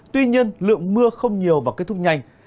tuy nhiên lượng mưa không nhiều và kết thúc nhanh